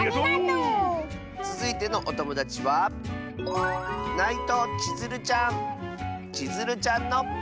つづいてのおともだちはちづるちゃんの。